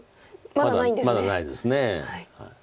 まだないです。